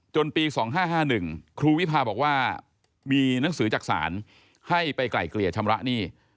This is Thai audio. ปี๒๕๕๑ครูวิพาบอกว่ามีหนังสือจากศาลให้ไปไกล่เกลี่ยชำระหนี้